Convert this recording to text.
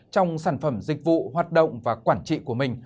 trong sản phẩm dịch vụ hoạt động và quản trị của mình